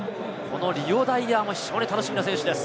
リオ・ダイアーも非常に楽しみな選手です。